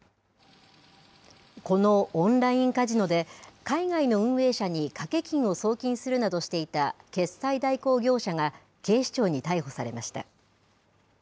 このオンラインカジノで、海外の運営者に賭け金を送金するなどしていた決済代行業者が、警視庁に逮捕されました。